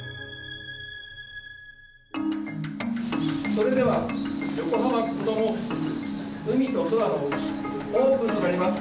それでは「横浜こどもホスピスうみとそらのおうち」オープンとなります。